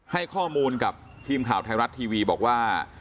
ให้ข้อมูลกับทีมข่าวไทยรัฐทีวีบอกว่า